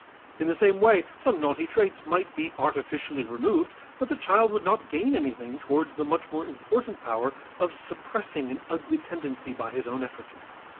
In the same way some naughty traits might be artificially removed but the child would not gain anything towards the much more important power of suppressing an ugly tendency by his own effort.